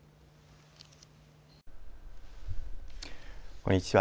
こんにちは。